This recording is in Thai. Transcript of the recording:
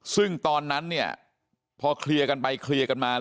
ซึ่งตอนนั้นเนี่ยพอเคลียร์กันไปเคลียร์กันมา